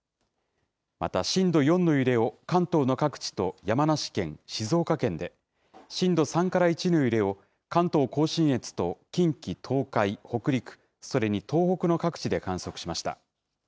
また、震度４の揺れを関東の各地と山梨県、静岡県で、震度３から１の揺れを関東甲信越と近畿、東海、北陸、それに東北の各地で観測しました。